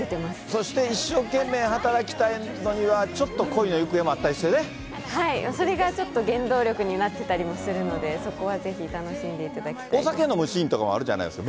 そして一生懸命働きたいのには、ちょっと恋の行方もあったりはい、それが原動力になってたりもするので、そこはぜひ楽しんでいただきたいです。